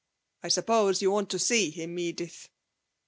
I suppose you want to see him, Edith?'